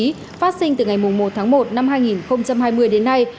phát sinh từ ngày một tháng một năm hai nghìn hai mươi đến nay